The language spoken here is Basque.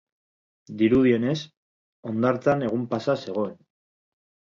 Dirudienez, hondartzan egun-pasa zegoen.